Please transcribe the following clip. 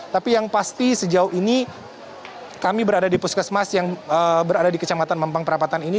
tapi yang pasti sejauh ini kami berada di puskesmas yang berada di kecamatan mampang perapatan ini